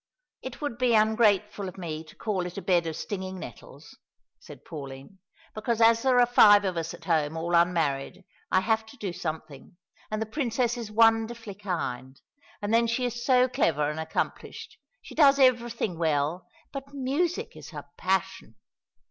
"It would be ungrateful of me to call it a bed of stinging nettles," said Pauline, "because as there are five of us at home, all unmarried, I have to do something; and the Princess is wonderfully kind, and then she is so clever and accomplished. She does everything well; but music is her passion."